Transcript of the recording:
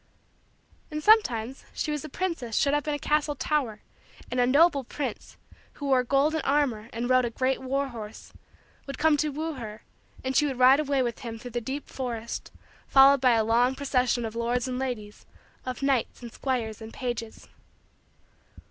And sometimes she was a princess shut up in a castle tower and a noble prince, who wore golden armor and rode a great war horse, would come to woo her and she would ride away with him through the deep forest followed by a long procession of lords and ladies, of knights and squires and pages.